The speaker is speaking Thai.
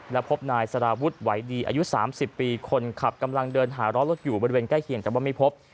และพบนายสารวุฒิไหวดีอายุ๓๐ปีคนขับกำลังเดินหาร้อรถอยู่บริเวณใกล้เคียงแต่ว่าไม่พบ